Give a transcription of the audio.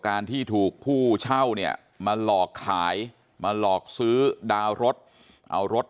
การที่ถูกผู้เช่าเนี่ยมาหลอกขายมาหลอกซื้อดาวน์รถเอารถ